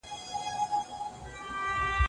پاس به د اسمان پر لمن وګرځو عنقا به سو